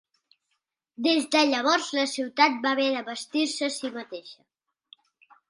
Des de llavors, la ciutat va haver d'abastir-se a si mateixa.